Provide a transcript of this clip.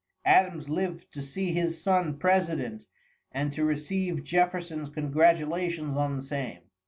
Adams lived to see his son president, and to receive Jefferson's congratulations on the same.